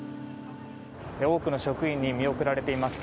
多くの職員に見送られています。